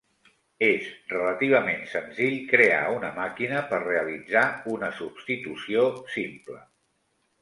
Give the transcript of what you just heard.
És relativament senzill crear una màquina per realitzar una substitució simple.